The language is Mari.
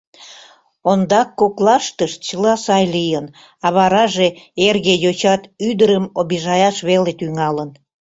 Ондак коклаштышт чыла сай лийын, а вараже эрге йочат ӱдырым обижаяш веле тӱҥалын.